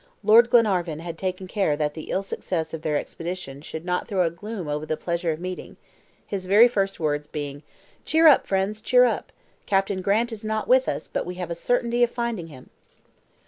Lord Glenarvan had taken care that the ill success of their expedition should not throw a gloom over the pleasure of meeting, his very first words being: "Cheer up, friends, cheer up! Captain Grant is not with us, but we have a certainty of finding him!"